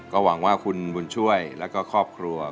ก็หวังว่าคุณบุญช่วยแล้วก็ครอบครัว